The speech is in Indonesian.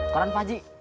koran pak aji